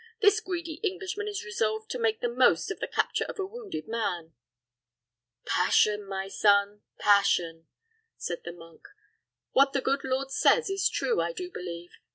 "This greedy Englishman is resolved to make the most of the capture of a wounded man." "Passion, my son, passion!" said the monk. "What the good lord says is true, I do believe.